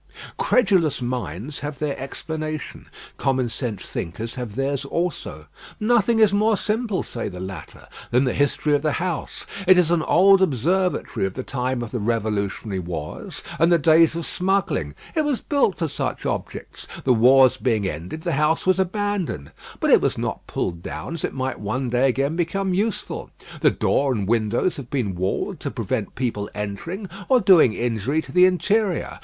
Credulous minds have their explanation; common sense thinkers have theirs also. "Nothing is more simple," say the latter, "than the history of the house. It is an old observatory of the time of the revolutionary wars and the days of smuggling. It was built for such objects. The wars being ended, the house was abandoned; but it was not pulled down, as it might one day again become useful. The door and windows have been walled to prevent people entering, or doing injury to the interior.